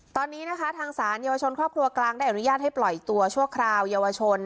ตอนนี้นะคะทางศาลเยาวชนครอบครัวกลางได้อนุญาตให้ปล่อยตัวชั่วคราวเยาวชน